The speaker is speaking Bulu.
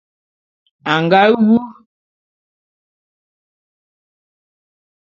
A nga wu.